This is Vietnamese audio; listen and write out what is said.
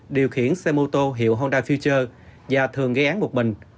điều khiển xe mô tô hiệu honda fujer và thường gây án một mình